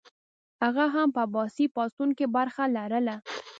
هغه هم په عباسي پاڅون کې برخه لرله.